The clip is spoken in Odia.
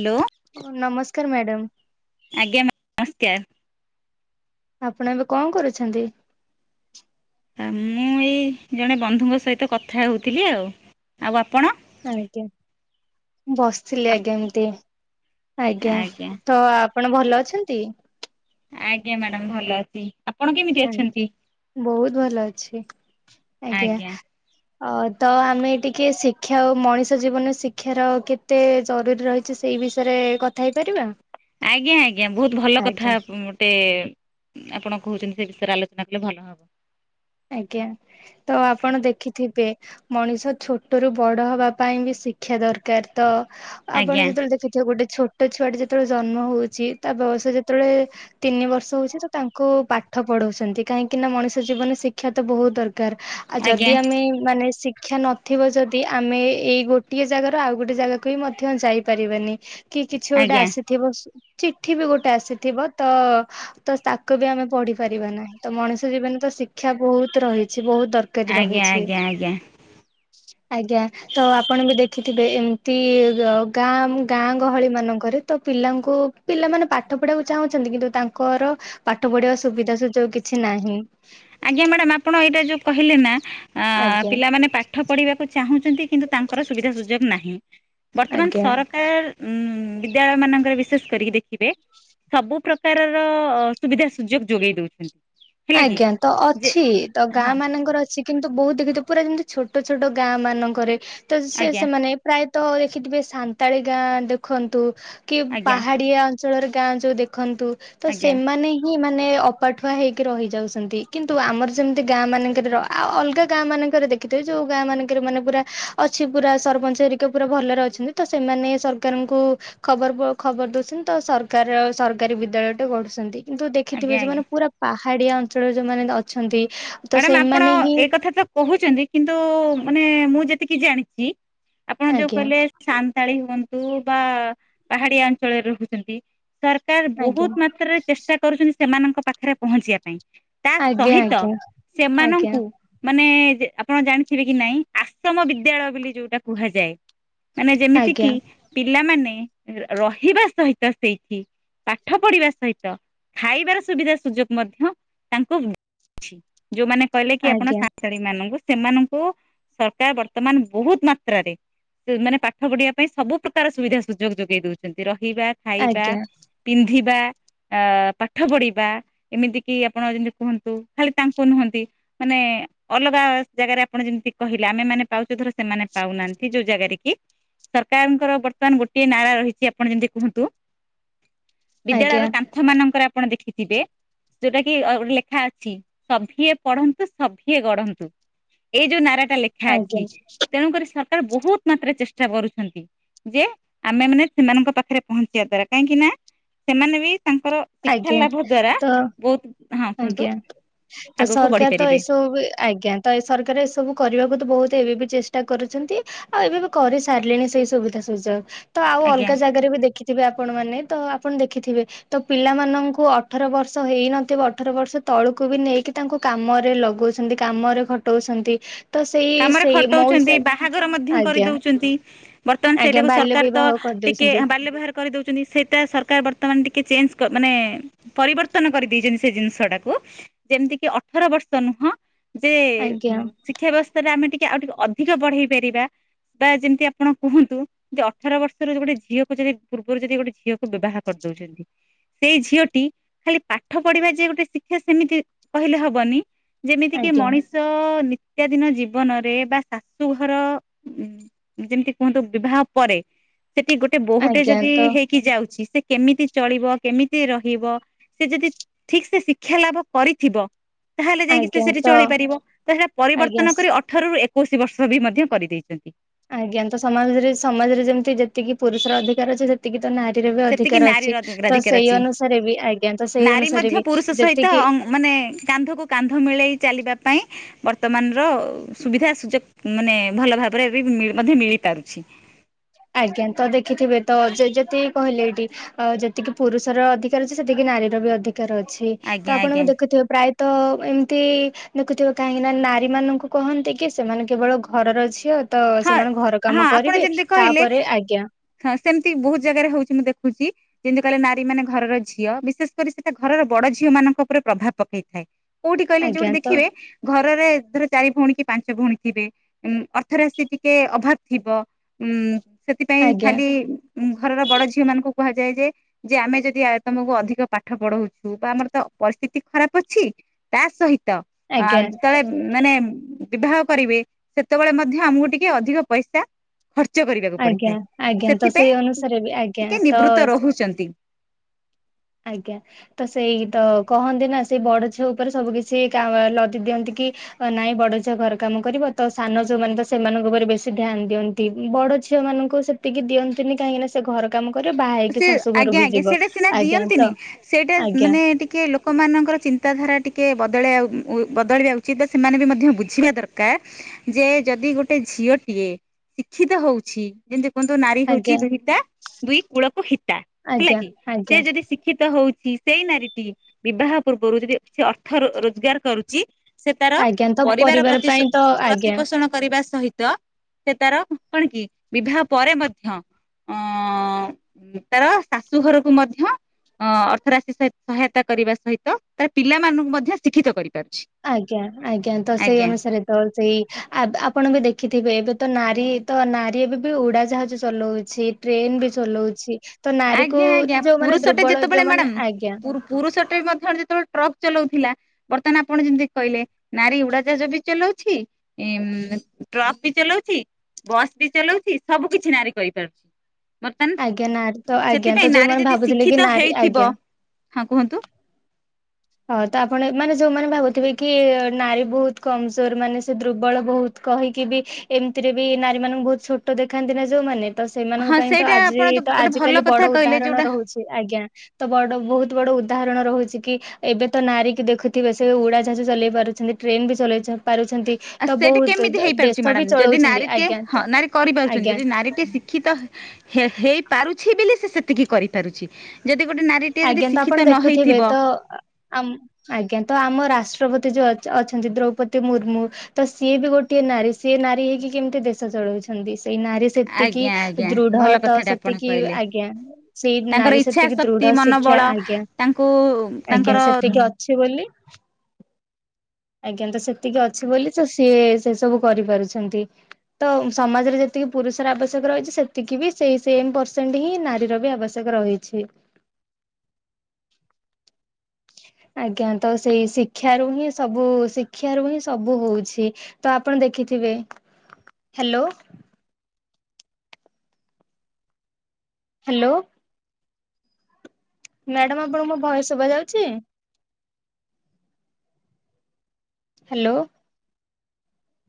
ହାଲୋ। ନମସ୍କାର ମ୍ୟାଡ଼ମ୍। ଆଜ୍ଞା ମାମ ନମସ୍କାର। ଆପଣ ଏବେ କଣ କରୁଛନ୍ତି? ଆ ମୁଁ ଏଇ ଜଣେ ବନ୍ଧୁଙ୍କ ସହିତ କଥା ହେଉଥିଲି ଆଉ ଆଉ ଆପଣ? ଆଜ୍ଞା ବସିଥିଲି ଆଜ୍ଞା ଏମତି ଆଜ୍ଞା ତ ଆପ୍ ଆପଣ ଭଲ ଅଛନ୍ତି? ଆଜ୍ଞା ମ୍ୟାଡାମ ଭଲ ଅଛି। ଆପଣ କେମିତି ଆଜ୍ଞା ଅଛନ୍ତି? ବହୁତ ଭଲ ଅଛି ଆଜ୍ଞା। ଅ ତ ଆମେ ଟିକେ ଶିକ୍ଷା ଓ ମଣିଷ ଜୀବନ ଶିକ୍ଷାର କେ ତେ ଜରୁରୀ ରହିଚି ସେଇ ବିଷୟରେ କଥା ହେଇପାରିବା? ଆଜ୍ଞା ଆଜ୍ଞା ବହୁତ ଭଲ କଥା ଆଜ୍ଞା ଗୋଟେ ଆପଣ କହୁଛନ୍ତି ସେ ବିଷୟରେ ଆଲୋଚନା କଲେ ଭଲ ହବ। ଆଜ୍ଞା ତ ଆପଣ ଦେଖିଥିବେ। ମଣିଷ ଛୋଟରୁ ବଡ ହବା ପାଇଁ ବି ଶିକ୍ଷା ଦରକାର ତ ଆପଣ ଆଜ୍ଞା ଯେତବେଳେ ଦେଖିଥିବେ ଗୋଟେ ଛୋଟ ଛୁଆଟି ଯେତବେଳେ ଜନ୍ମ ହଉଚି ତା ବୟସ ଯେତବେଳେ ତିନି ବର୍ଷ ହଉଚି ତ ତାଙ୍କୁ ପାଠ ପଢଉଛନ୍ତି କାହିଁକି ନା ମଣିଷ ଜୀବନ ଶିଖ କ୍ଷା ତ ବହୁତ ଦରକାର ଆଉ ଆଜ୍ଞା ଯଦି ଆମେ ମାନେ ଶିକ୍ଷା ନ ଥିବ ଯଦି ଆମେ ଏଇ ଗୋଟିଏ ଜାଗାରୁ ଆଉ ଗୋଟେ ଜାଗାକୁ ବି ମଧ୍ୟ ଯାଇପାରିବାନି। କି କିଛି ଗୋଟେ ଆଜ୍ଞା ଆସିଥିବ ଚିଠି ବି ଗୋଟେ ଆସିଥିବ ତ ତ ତାକୁ ବି ଆମେ ପଢି ପାରିବା ନାହିଁ ତ ମଣିଷ ଜୀବନ ତ ଶି ଶିକ୍ଷା ବହୁତ ରହିଛି ବହୁତ ଦରକାରୀ ଆଜ୍ଞା ରହିଛି। ଆଜ୍ଞା ଆଜ୍ଞା ଆଜ୍ଞା ତ ଆପଣ ବି ଦେଖିଥିବେ ଏମିତି ଗାଁ ଗାଁ ଗହଳି ମାନଙ୍କରେ ତ ପିଲାଙ୍କୁ ପିଲାମାନେ ପାଠ ପଢିବାକୁ ଚାହୁଁଛନ୍ତି କିନ୍ତୁ ତାଙ୍କର ପାଠ ପଢିବା ସୁବିଧା ସୁଯୋଗ କିଛି ନାହିଁ। ଆଜ୍ଞା ମ୍ୟାଡାମ ଆପଣ ଏଇଟା ଯୋଉ କହିଲେ ନା ଆ ଆଜ୍ଞା ପିଲାମାନେ ପାଠ ପଢିବାକୁ ଚାହୁଁଛନ୍ତି। କିନ୍ତୁ ତାଙ୍କର ସୁବିଧା ସୁଯୋଗ ନାହିଁ। ବର୍ତ୍ତମାନ ଆଜ୍ଞା। ସରକାର ଉ ବିଦ୍ୟାଳୟ ମାନଙ୍କରେ ବିଶେଷ କରିକି ଦେଖିବେ ସବୁ ପ୍ରକାରର ସୁବିଧା ସୁଯୋଗ ଯୋଗେଇ ଦଉଛନ୍ତି। ହେଲା କି। ଆଜ୍ଞା ତ ଯେ ଅଛି ତ ଗାଁ ହଁ ମାନ ମାନଙ୍କର ଅଛି। କିନ୍ତୁ ବହୁତ ଦେଖିଥ ପୁରା ଯେମିତି ଛୋଟ ଛୋଟ ଗାଁ ମାନଙ୍କରେ ତ ସେ ଆଜ୍ଞା ସେମାନେ ପ୍ରାୟତଃ ଦେଖିଥିବେ ସାନ୍ତାଳି ଗାଁ ଦେଖନ୍ତୁ କି ଆଜ୍ଞା ପାହାଡିଆ ଅଁ ଅଞ୍ଚଳ ରେ ଗାଁ ଯୋଉ ଦେଖନ୍ତୁ। ତ ଆଜ୍ଞା ସେମାନେ ହି ମାନେ ଅପାଠୁଆ ହେଇକି ରହିଯାଉଛନ୍ତି। କିନ୍ତୁ ଆମର ଯେମିତି ଗାଁ ମାନଙ୍କରେ ଆଉ ଅଲଗା ଗାଁ ମାନଙ୍କରେ ଦେଖ ଦେଖିଥେ ଯେୋଉ ଗାଁ ମାନଙ୍କରେ ମାନେ ପୁରା ଅଛି ପୁରା ସରପଞ୍ଚ ହେରିକା ପୁରା ଭଲରେ ଅଛନ୍ତି ତ ସେମାନେ ସରକାରଙ୍କୁ ଖବର ଖବର ଦଉଛନ୍ତି। ତ ସରକାର ସରକାରୀ ବିଦ୍ୟାଳୟ ଟେ ଗଢୁଛନ୍ତି। କିନ୍ତୁ ଆଜ୍ଞା ଦେଖିଥିବେ, ଆଜ୍ଞା। ଯୋଉମାନେ ପୁରା ପାହାଡ଼ିଆ ଅଞ୍ଚଳରେ ମାନେ ଅଛନ୍ତି। ତ ମ୍ୟାଡ଼ାମ ଆପଣ ସେମାନେ ହିଁ ଏ କଥା ତ କହୁଛନ୍ତି କିନ୍ତୁ ମାନେ ମୁଁ ଯେତିକି ଜାଣିଛି ଆପଣ ଯୋଉ ଆଜ୍ଞା କହିଲେ ସାନ୍ତାଳୀ ହୁଅନ୍ତୁ ବା ପାହାଡ଼ିଆ ଅଞ୍ଚଳରେ ରହୁଛନ୍ତି। ସରକାର ଆଜ୍ଞା ବହୁତ ମାତ୍ରାରେ ଚେଷ୍ଟା କରୁଛନ୍ତି ସେମାନଙ୍କ ପାଖରେ ପହଞ୍ଚିବା ପାଇଁ। ତା ଆଜ୍ଞା ସହିତ ଆଜ୍ଞା। ସେମାନଙ୍କୁ ମାନେ ଆପଣ ଜାଣିଥିବେ କି ନାଇଁ ଆଶ୍ରମ ବିଦ୍ୟାଳୟ ବୋଲି ଯୋଉଟା କୁହାଯାଏ। ମାନେ ଯେମିତି କିି ଆଜ୍ଞା ପିଲାମାନେ ରହିବା ସହିତ ସେଇଠି ପାଠ ପଢିବା ସହିତ ଖାଇବାର ସୁବିଧା ସୁଯୋଗ ମଧ୍ୟ ତାଙ୍କୁଛି। ଯୋଉମାନେ କହିଲେ କି ଆପଣ ଆଜ୍ଞା ତା ସାନ୍ତାଳୀ ମାନଙ୍କୁ ସେମାନଙ୍କୁ ସରକାର ବର୍ତ୍ତମାନ ବହୁତ ମାତ୍ରାରେ ମାନେ ପାଠ ପଢିବା ପାଇଁ ସବୁ ପ୍ରକାର ସୁବିଧା ସୁଯୋଗ ଯୋଗେଇ ଦଉଛନ୍ତି। ରହିବା ଖାଇବା ଆଜ୍ଞା ପିନ୍ଧିବା ଅ ପାଠ ପଢିବା ଏମିତି କି ଆପଣ ଯେମିତି କୁହନ୍ତୁ ଖାଲି ତାଙ୍କୁ ନୁହନ୍ତି ମାନେ ଅଲଗା ଜାଗାରେ ଆପଣ ଯେମିତି କହିଲେ, ଆମେମାନେ ପାଉଛୁ ଧର ସେମାନେ ପାଉନାହାନ୍ତି ଯୋଉ ଜାଗାରେ କି ସରକାରଙ୍କର ବର୍ତ୍ତମାନ ଗୋଟିଏ ନାରା ରହିଛି ଆପଣ ଯେମିତି କୁହନ୍ତୁ। ଆଜ୍ଞା ଆଜ୍ଞା ବିଦ୍ୟାଳୟର କାନ୍ଥ ମାନଙ୍କରେ ଆପଣ ଦେଖିଥିବେ, ଯୋଉଟା କି ଲେଖାଅଛି ସଭିଏ ପଢନ୍ତୁ ସଭିଏ ଗଢନ୍ତୁ ଏଇ ଯୋଉ ନାରା ଟା ଲେ ଥା ଆଜ୍ଞା ଠିକ୍ ତେଣୁକରି ସରକାର ବହୁତ ମାତ୍ରାରେ ଚେଷ୍ଟା କରୁଛନ୍ତି। ଯେ ଆମେ ମାନେ ସେମାନଙ୍କ ପାଖରେ ପହଞ୍ଚିବା ଦ୍ଵାରା କାହିଁକି ନା ସେମାନେ ବି ତାଙ୍କର ଶିକ୍ଷା ଆଜ୍ଞା ଲାଭ ଦ୍ଵାରା ତ ବହୁତ ହଁ କୁହନ୍ତୁ ଆଜ୍ଞା ତ ଆଗକୁ ବଢି ସରକାର ତ ପାରିବେ ଏଇସବୁ ଆଜ୍ଞା ତ ଏ ସରକାର ଏସବୁ କରିବାକୁ ତ ବହୁତ ଏବେ ବି ଚେଷ୍ଟା କରୁଛନ୍ତି। ଆଉ ଏବେ ବି କରିସାରିଲିଣି ସେଇ ସୁବିଧା ସୁଯୋଗ ତ ଆଉ ଆଜ୍ଞା। ଅଲଗା ଜାଗାରେ ବି ଦେଖି ଯିବେ ଆପଣ ମାନେ ତ ଆପଣ ଦେଖିଥିବେ ତ ପିଲାମାନଙ୍କୁ ଅଠର ବର୍ଷ ହେଇନଥିବ ଅଠର ବର୍ଷ ତଳକୁ ବି ନେଇକି ତାଙ୍କୁ କାମରେ ଲଗଉଛନ୍ତି କାମରେ ଖଟଉଛନ୍ତି। ତ ସେଇ କାମରେ ସେଇ ମୋ ଖଟଉଛନ୍ତି ହିସାବ ବାହାଘର ମଧ୍ୟ ଆଜ୍ଞା କରିଦଉଛନ୍ତି। ବର୍ତ୍ତମାନ ଆଜ୍ଞା ସେଇଟାକୁ ବାଲ୍ୟ ସରକାର ତ ବିବାହ ଟିକେ କରିଦଉଛନ୍ତି ବାଲ୍ୟ ବ୍ୟବହାର କରିଦଉଛନ୍ତି। ସେଇଟା ସରକାର ବର୍ତ୍ତମାନ ଟିକେ ଚେଞ୍ଜ ମାନେ ପରିବର୍ତ୍ତନ କରିଦେଇଛନ୍ତି ସେ ଜିନିଷ ଟାକୁ ଯେମିତିକି ଅଠର ବର୍ଷ ନୁହଁ ଯେ ଆଜ୍ଞା ଶିକ୍ଷା ବ୍ୟବସ୍ଥାରେ ଆମେ ଟିକେ ଆଉ ଟିକେ ଅଧିକ ବଢେଇ ପାରିବା। ବା ଯେମିତି ଆପଣ କୁହନ୍ତୁ ଯେ ଅଠର ବର୍ଷ ର ଗୋଟେ ଝିଅକୁ ଯଦି ପୂର୍ବରୁ ଯଦି ଗୋଟେ ଝିଅକୁ ବାହାର କରିଦଉଛନ୍ତି। ସେଇ ଝିଅଟି ଖାଲି ପାଠ ପଢିବା ଯେ ଗୋଟେ ଶିକ୍ଷା ସେମିତି କହିଲେ ହବନି ଯେମିତି କି ଆଜ୍ଞା ମଣିଷ ନିତ୍ୟାଦିନ ଜୀବ ଜୀବନରେ ବା ଶାଶୁଘର ଯେମିତି କୁହନ୍ତୁ ବିବାହ ପରେ ସେଠି ଗୋଟେ ବୋହୁଟେ ଆଜ୍ଞା ଯଦି ତ ହେଇକି ଯାଉଛି ସେ କେମିତି ଚଳିବ କେମିତି ରହିବ ସେ ଯଦି ଠିକ୍ ସେ ଶିକ୍ଷା ଲାଭ କରିଥିବ ତାହେଲେ ଯାଇକି ସେ ଆଜ୍ଞା ସେଠି ତ ଚଳିପାରିବ। ତ ସେ ଆଜ୍ଞା ପରିବର୍ତ୍ତନ କରି ଅ ଅଠରରୁ ଏକୋଇଶି ବର୍ଷ ବି ମଧ୍ୟ କରିଦେଇଛନ୍ତି। ଆଜ୍ଞା ତ ସମାଜରେ ସମାଜରେ ଯେମିତି ଯେତିକି ପୁରୁଷର ଅଧିକାର ଅଛି ଯେ ଏତିକି ତ ନାରୀର ବି ସେତିକି ଅଧିକାର ନାରୀ ଅଛି। ତ ରାଧିକାର ସେଇ ଅଛି ଅନୁସାରେ ବି ଆଜ୍ଞା ତ ସେଇ ନାରୀ ଅନୁସାରେ ମଧ୍ୟ ବି ପୁରୁଷ ସହିତ ଯେତିକି ମାନେ କାନ୍ଧକୁ କାନ୍ଧ ମିଳେଇ ଚାଲିବା ପାଇଁ ବର୍ତ୍ତମାନର ସୁବିଧା ସୁଯୋଗ ମାନେ ଭଲ ଭାବରେ ବି ମଧ୍ୟ ମିଳି ପାରୁଛି। ଆଜ୍ଞା, ତ ଦେଖିଥିବେ ତ ଯେ ଯେପି କହିଲେ ଏଇଠି। ଅ ଯେତିକି ପୁରୁଷର ଅଧିକାର ଅଛି, ସେତିକି ନାରୀର ବି ଅଧିକାର ଅଛି। ତ ଆଜ୍ଞା ଆଜ୍ଞା ଆପଣଙ୍କୁ ଦେଖୁଥିବେ ପ୍ରାୟ ତ ଏମତି ଦେଖୁଥିବ କାହିଁକି ନା, ନାରୀ ମାନଙ୍କୁ କହନ୍ତି କି ସେମାନେ କେବଳ ଘରର ଝିଅ ତ ହଁ ସେମାନେ ଘର ହଁ କାମ ଆପଣ କରିବେ! ଯେମିତି କହିଲେ ତାପରେ ଆଜ୍ଞା ହଁ ସେମିତି ବହୁତ ଜାଗାରେ ହଉଛି ମୁଁ ଦେଖୁଛି। ଯେମିତି କହିଲେ ନାରୀ ମାନେ ଘରର ଝିଅ, ବିଶେଷ କରି ସେଟା ଘରର ବଡ ଝିଅ ମାନଙ୍କ ଉପରେ ପ୍ରଭାବ ପକେଇଥାଏ। କୋଉଠି କହିଲେ ଆଜ୍ଞା ଯୋଉଠି ତ ଦେଖିବେ, ଘରରେ ଧର ଚାରି ଭଉଣୀ କି ପାଞ୍ଚ ଭଉଣୀ ଥିବେ ଉଁଅର୍ଥ ଅର୍ଥରାସି ଟିକେ ଅଭାବ ଥିବ, ଉଁ ସେଥିପାଇଁ ଆଜ୍ଞା ଖାଲି ଉଁ ଘରର ବଡ ଝିଅ ମାନଙ୍କୁ କୁହାଯାଏ ଯେ ଯେ ଆମେ ଯଦି ଆଏ ତମକୁ ଅଧିକ ପାଠ ପଢଉଛୁ, ବା ଆମର ତ ପରିସ୍ଥିତି ଖରାପ ଅଛି ତା ସହିତ ଆ ଆଜ୍ଞା ଯେତେବେଳେ ମାନେ ବିବାହ କରିବେ, ସେତେବେଳେ ମଧ୍ୟ ଧ୍ୟା ଆମକୁ ଟିକେ ଅଧିକ ପଇସା ଖର୍ଚ୍ଚ କରିବାକୁ ଆଜ୍ଞା ପଡିଥାଏ। ଆଜ୍ଞା ତ ସେଇ ସେଥିପାଇଁ ଅନୁସାରେ ବି ଆଜ୍ଞା ଟିକେ ନିବୃତ ତ ରହୁଛନ୍ତି। ଆଜ୍ଞା। ତ ସେଇ ତ କହନ୍ତି ନା, ସେଇ ବଡ ଝିଅ ଉପରେ ସବୁ କିଛି କାଁ ଲଦି ଦିଅନ୍ତି କି ନାଇଁ ବଡ ଝିଆ ଘର କାମ କରିବ ତ, ସାନ ଯୋଉମାନେ ତ ସେମାନଙ୍କ ଉପରେ ବେଶୀ ଧ୍ୟାନ ଦିଅନ୍ତି। ତିବି ବଡ ଝିଅ ମାନଙ୍କୁ ସେତିକି ଦିଅନ୍ତିନି, କାହିଁକି ନା ସେ ଘର କାମ କରିବ, ବାହା ହେଇକି ସେ ଶାଶୁ ଆଜ୍ଞା ଘରକୁ ଆଜ୍ଞା ଯିବ ସେଇଟା ସିନା ଆଜ୍ଞା। ଦିଅନ୍ତିନି ତ ସେଇଟା ଆଜ୍ଞା ମାନେ ଏଟିକେ ଲୋକମାନଙ୍କର ଚିନ୍ତାଧାରା ଟିକେ ବଦଳେବା ଉ ବ ଉ ବଦଳିବା ଉଚିତ, ବା ସେମାନେ ବି ମଧ୍ୟ ବୁଝିବା ଦରକା କାର, ଯେ ଯଦି ଗୋଟେ ଝିଅଟିଏ ଶିକ୍ଷିତ ହଉଛି ଯେମିତି କୁହନ୍ତୁ, ନାରୀ ହଉଛି ଆଜ୍ଞା ଦୁହିତା ଦୁଇ କୂଳ କୁ ହିତା ହେଲା ଆଜ୍ଞା କି, ସେ ଆଜ୍ଞା ଯଦି ଶିକ୍ଷିତ ହଉଛି ସେଇ ନାରୀଟି ବିବାହ ପୂର୍ବରୁ ଯଦି ଅର୍ଥ ରୋଜଗାର କରୁଛି ସେ ତାର, ଆଜ୍ଞା ତ ପରିବାର ପ୍ରତି ସୋ ପାଇଁ ତ ଆଜ୍ଞା। ପ୍ରତିପୋଷଣ କରିବା ସହିତ ସେ ତାର କଣ କି, ବିବାହ ପରେ ମଧ୍ୟ ଅ ସେ ତାର ଶାଶୁ ଘରକୁୁ ମଧ୍ୟ ଅ ଅର୍ଥ ରାଶି ସହିତ ସହାୟତା କରିବା ସହିତ, ତାର ପିଲାମାନଙ୍କୁ ମଧ୍ୟ ଶିକ୍ଷିତ କରିପାରୁଛି। ଆଜ୍ଞା, ଆଜ୍ଞା ତ ସେଇ ଆଜ୍ଞା ଅନୁସାରେ ତ ସେଇ ଆବ ଆପଣ ବି ଦେଖିଥିବେ, ଏବେ ତ ନାରୀ ତ ନାରୀ ଏବେ ବି ଉଡାଜାହାଜ ଚଲୋଉଛି। ଟ୍ରେନ ବି ଚଲୋଉଛି। ତ ନାରୀ କୁ ଆଜ୍ଞା ଆଜ୍ଞା ଯୋଉ ମାନ ଦୁର୍ବଳ ଯୋଉମାନେ ଆଜ୍ଞା ପୁରୁଷ ଟେ ମଧ୍ୟ, ଯେତେବେଳେ ଟ୍ରକ ଚଲଉଥିଲା ବର୍ତ୍ତମାନ ଆପଣ ଯେମିତି କହିଲେ, ନାରୀ ଉଡାଜାହାଜ ବି ଚଲଉଛି ଏଁମ ଟ୍ରକ୍ ବି ଚଲଉଛି, ବସ୍ ବି ଚଲଉଛି, ସବୁ କିଛି ନାରି କରିପାରୁଛି। ମତନ୍ ଆଜ୍ଞା, ନାରୀ ତ ଆଜ୍ଞା ତ ଯୋଉମାନେ ଭାବୁଥିଲେ କି ନାରୀ ହେଇଥିବ ଆଜ୍ଞା ହଁ କୁହନ୍ତୁ! ହଁ ତ ଆପଣ ମାନେ ଯୋଉମାନେ ଭାବୁଥିବେ କି, ନାରୀ ବହୁତ କମଜୋର, ମାନେ ସେ ଦୁର୍ବଳ ବହୁତ କହିକି ବି, ଏମିତିରେ ବି ନାରୀ ମାନଙ୍କୁ ବହୁତ ଛୋଟ ଦେଖାନ୍ତି ନା ଯୋଉମାନେ ତ ସେମାନଙ୍କ ହଁ ପାଇଁ ତ, ସେଇଟା ଆଜି ଆପଣ ତ ଗୋଟେ ଭଲ ଆଜିିକାଲି ବଡ କଥା କହିଲେ ଯୋଉଟା ଉଦାହରଣ ରହୁଛି। ଆଜ୍ଞା, ତ ବଡ ବହୁତ ବଡ ଉଦାହରଣ ରହୁଛି କି ଏବେ ତ ନାରୀ କି ଦେଖୁଥିବେ, ସେ ଉଡାଜାଜ ଚଲେଇ ପାରୁଛନ୍ତି। ଟ୍ରେନ ବି ଚଲେଇଚ ପାରୁଛନ୍ତି। ଆ ତ ସେଇଟା ବହୁତ କେମିତି ହେଇପାରୁଛି ଦେଶ ବି ମ୍ୟାଡ଼ାମ, ଯଦି ଚଳଉଛନ୍ତି ନାରୀଟିଏ ଆଜ୍ଞା ହଁ ତ ନାରୀ କରିପାରୁଛନ୍ତି, ଆଜ୍ଞା ଯଦି ନାରୀ ଟିଏ ଶି ଶିକ୍ଷିତ ହେ ହେଇପାରୁଛି ବୋଲି, ସେ ସେତିକି କରିପାରୁଛି। ଯଦି ଗୋଟେ ନାରୀଟିଏ, ଯଦି ଆଜ୍ଞା ତ ଶିକ୍ଷିତ ଆପଣ ନ ଦେଖୁଥିବେ ହେଇଥିବ! ତ ଆମ୍ ଆଜ୍ଞା ତ ଆମ ରାଷ୍ଟ୍ରପତି ଯୋଉ ଅଚ୍ ଅଛନ୍ତି ଦ୍ରୌପଦୀ ମୁର୍ମୁ। ତ ସିଏ ବି ଗୋଟିଏ ନାରୀ ସିଏ ନାରୀ ହେଇକି କେମିତି ଦେଶ ଚଳଉଛନ୍ତି? ସେଇ ନାରୀ ସେତିକି ଆଜ୍ଞା ଆଜ୍ଞା ଦୃଢ ଭଲ ତ କଥାଟା ଆପଣ ସେତିକି କହିଲେ। ଆଜ୍ଞା ସେଇ ନାରୀ ସେତିକି ଦୃଢ ଶିକ୍ଷା ବଳ ତାଙ୍କୁ ଉ, ତାଙ୍କର ଟିକେ ଅଛି ବୋଲି ଆଜ୍ଞା ତ ସେତିକି ଅଛି ବୋଲି ତ ସିଏ ସେ ସବୁ କରିପାରୁଛନ୍ତି। ତ ସମାଜରେ ଯେତିକି ପୁରୁଷର ଆବଶ୍ୟକ ରହିଛି ସେତିକି। ବି ସେଇ ସେମ୍ ପରସେଣ୍ଟ ହିଁ ନାରୀର ବି ଆବଶ୍ୟ ଶ୍ୟକ ରହିଛି। ଆଜ୍ଞା ତ ସେଇ ଶିକ୍ଷାରୁ ହିଁ ସବୁ ଶିକ୍ଷାରୁ ହିଁ ସବୁ ହଉଛି। ତ ଆପଣ ଦେଖିଥିବେ? ହ୍ୟାଲୋ। ହ୍ୟାଲୋ। ମ୍ୟାଡାମ୍ ଆପଣଙ୍କୁ ମୋ ଭଏସ୍ ଶୁଭା ଯାଉଛି? ହ୍ୟାଲୋ।